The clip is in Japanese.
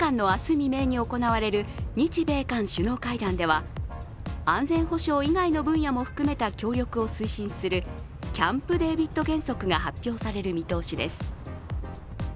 未明に行われる日米韓首脳会談では安全保障以外の分野も含めた協力を推進するキャンプ・デービッド原則が発表される見通しです。